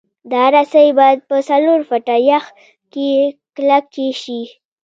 دا رسۍ باید په څلور فټه یخ کې کلکې شي